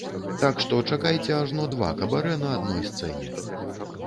Так што чакайце ажно два кабарэ на адной сцэне!